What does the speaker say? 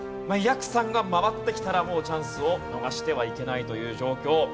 やくさんが回ってきたらもうチャンスを逃してはいけないという状況。